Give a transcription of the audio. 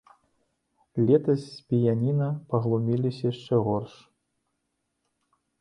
Летась з піяніна паглуміліся яшчэ горш.